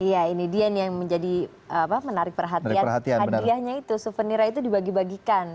iya ini dia nih yang menjadi menarik perhatian hadiahnya itu souvenirnya itu dibagi bagikan